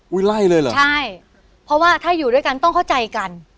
ไล่เลยเหรอใช่เพราะว่าถ้าอยู่ด้วยกันต้องเข้าใจกัน